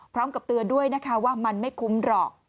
พร้อมกับเตือนด้วยนะคะว่ามันไม่คุ้มหรอก